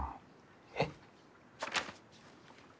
えっ？